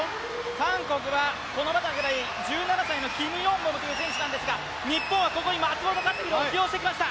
韓国はバタフライ、１７歳のキム・ヨンボムという選手ですが日本はここに松元克央を起用してきました。